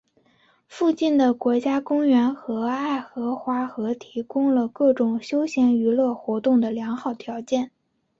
附近的国家公园和爱荷华河提供了各种休闲娱乐活动的良好条件。